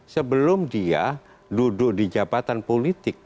sebelum dia duduk di jabatan politik